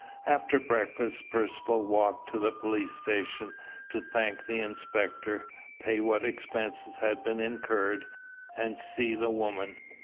After breakfast, Percivale walked to the police station, to thank the inspector, pay what expenses had been incurred, and see the woman.